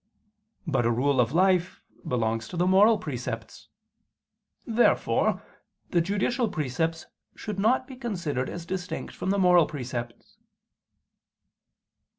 But a rule of life belongs to the moral precepts. Therefore the judicial precepts should not be considered as distinct from the moral precepts.